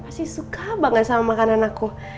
pasti suka banget sama makanan aku